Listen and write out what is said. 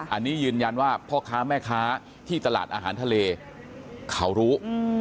อันนี้ยืนยันว่าพ่อค้าแม่ค้าที่ตลาดอาหารทะเลเขารู้